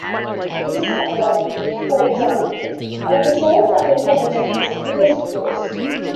This is appropriate, for example, when the source of information is English prose.